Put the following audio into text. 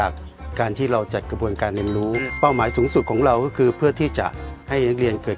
การเรียนรู้เป้าหมายสูงสุดของเราก็คือเพื่อที่จะให้นักเรียนเกิด